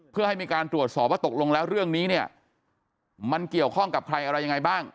เพื่อให้มีการตรวจสอบว่าตกลงแล้วเรื่องนี้เนี่ยมันเกี่ยวข้องกับใครอะไรยังไงบ้าง